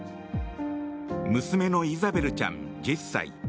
娘のイザベルちゃん、１０歳。